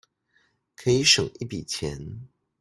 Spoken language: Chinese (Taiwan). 可以省一筆錢